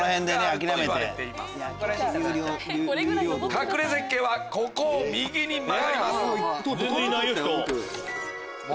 隠れ絶景はここを右に曲がります。